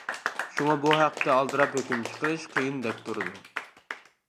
شۇڭا بۇ ھەقتە ئالدىراپ ھۆكۈم چىقىرىش قىيىندەك تۇرىدۇ.